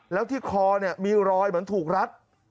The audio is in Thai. แล้วที่คอมีรอยเหมือนถูกรัด